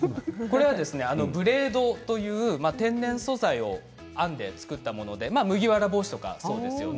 これはブレードという天然素材を編んだもので麦わら帽子とかもそうですね。